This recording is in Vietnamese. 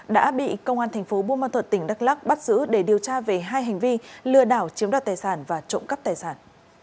đã bị công an thành phố buôn ma thuật tỉnh đắk lắc bắt giữ để điều tra về hai hành vi lừa đảo chiếm đoạt tài sản và trộm cắp tài sản